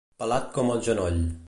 Pelat com el genoll.